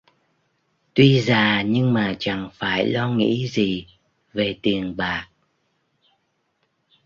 Tuy già nhưng mà chẳng phải lo nghĩ gì về tiền bạc